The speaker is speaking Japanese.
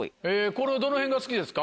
これどのへんが好きですか？